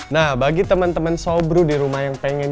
nah bagi temen temen sobru dirumah yang pengen